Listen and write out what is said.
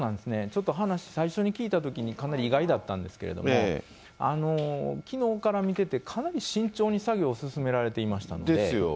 ちょっと話、最初に聞いたときにかなり意外だったんですけども、きのうから見てて、かなり慎重に作業進められていましたんで。